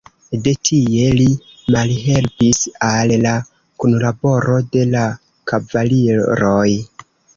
De tie li malhelpis al la kunlaboro de la kavaliroj.